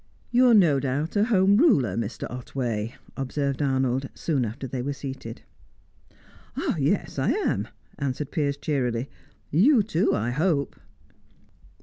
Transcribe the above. "You are no doubt a Home Ruler, Mr. Otway," observed Arnold, soon after they were seated. "Yes, I am," answered Piers cheerily. "You too, I hope?"